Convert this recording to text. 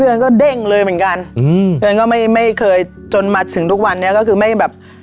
เงินก็เด้งเลยเหมือนกันอืมเดือนก็ไม่ไม่เคยจนมาถึงทุกวันนี้ก็คือไม่แบบ